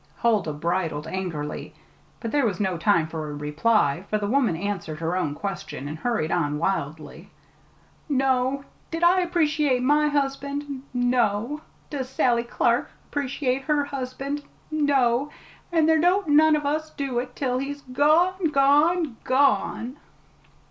Huldah bridled angrily, but there was no time for a reply, for the woman answered her own question, and hurried on wildly. "No. Did I appreciate my husband? No. Does Sally Clark appreciate her husband? No. And there don't none of us do it till he's gone gone gone!"